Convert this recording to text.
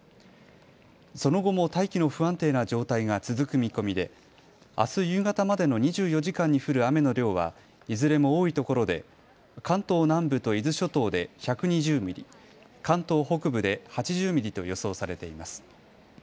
その後も大気の不安定な状態が続く見込みで、あす夕方までの２４時間に降る雨の量はいずれも多いところで関東南部と伊豆諸島で１２０ミリ、関東北部で８０ミリと予想されています。